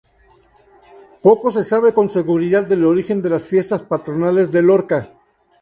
Poco se sabe con seguridad del origen de las Fiestas Patronales de Lorca.